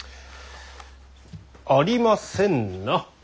ありませんな。